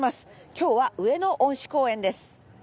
今日は上野恩賜公園です。